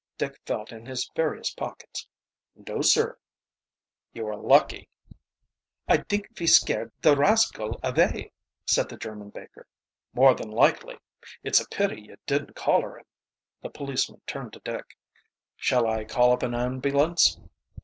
Dick felt in his various pockets. "No, sir." "You were lucky." "I dink ve scare der rascal avay," said the German baker. "More than likely. It's a pity you didn't collar him." The policeman turned to Dick. "Shall I call up an ambulance?"